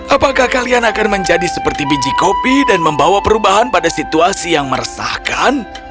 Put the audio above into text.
apakah kalian akan menjadi seperti biji kopi dan membawa perubahan pada situasi yang meresahkan